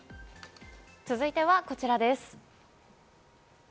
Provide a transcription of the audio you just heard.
続いては、こちらです。